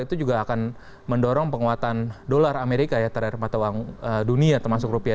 itu juga akan mendorong penguatan dolar amerika ya terhadap mata uang dunia termasuk rupiah